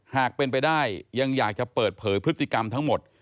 หากเป็นไปได้ยังอยากจะเปิดเผยพฤติกรรมทั้งหมด